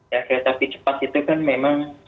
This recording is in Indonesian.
ya kereta api cepat itu kan memang